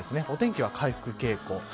お天気は回復傾向。